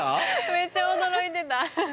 めちゃ驚いてた。